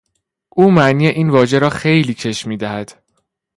او معنی این واژه را خیلی کش میدهد.